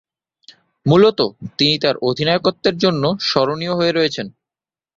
মূলতঃ তিনি তার অধিনায়কত্বের জন্য স্মরণীয় হয়ে রয়েছেন।